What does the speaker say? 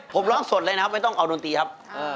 ผมโร้งสดเลยนะครับไม่ต้องเอานุญติครับ